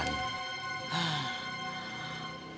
buang bubur lagi nih ketauan